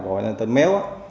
gọi tên méo